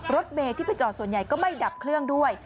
รถเมย์ที่ไปจอดส่วนใหญ่ก็ไม่ดับเครื่องด้วย